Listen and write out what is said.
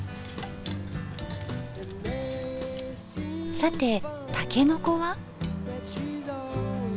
さてたけのこは。